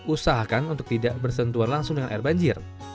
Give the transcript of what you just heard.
usahakan untuk tidak bersentuhan langsung dengan air banjir